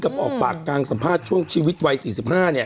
ออกปากกลางสัมภาษณ์ช่วงชีวิตวัย๔๕เนี่ย